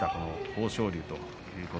豊昇龍です。